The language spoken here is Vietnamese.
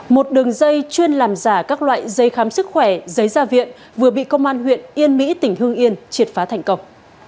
một đường dây chuyên làm giả các loại giấy khám sức khỏe giấy gia viện vừa bị công an huyện yên mỹ tỉnh hương yên triệt phá thành công